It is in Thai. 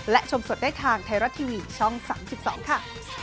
และชมสดได้ทางไทยรัฐทีวีช่อง๓๒ค่ะ